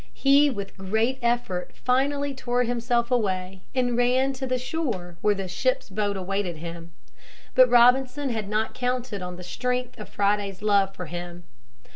He with great effort finally tore himself away and ran to the shore where the ship's boat awaited him. But Robinson had not counted on the strength of Friday's love for him.